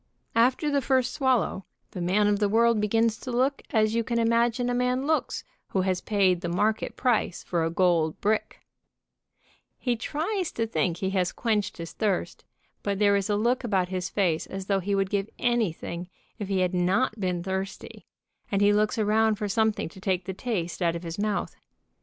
After the first swallow the man of the world begins to look as you can imagine a man looks who has paid the market price for a gold brick, tfe tries to think he has quenched his thirst, but there is a look about his face as though he would give anything if he had not been thirsty, and he looks around for something to take the taste out of his mouth.